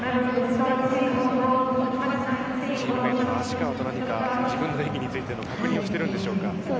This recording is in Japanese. チームメートと何か自分の演技についての確認をしているんでしょうか。